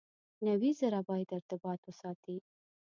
نوي زره باید ارتباطات وساتي.